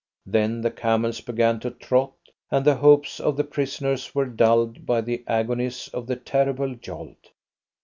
Then the camels began to trot, and the hopes of the prisoners were dulled by the agonies of the terrible jolt.